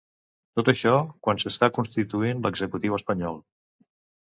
Tot això, quan s'està constituint l'Executiu espanyol.